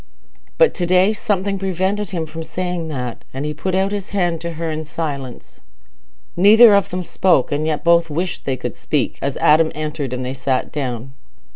But to day something prevented him from saying that, and he put out his hand to her in silence. Neither of them spoke, and yet both wished they could speak, as Adam entered, and they sat down.